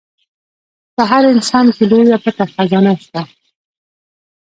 په هر انسان کې لويه پټه خزانه شته.